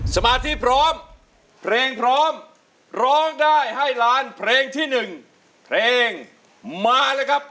สมาธิพร้อมเพลงพร้อมร้องได้ให้ล้านเพลงที่๑เพลงมาเลยครับ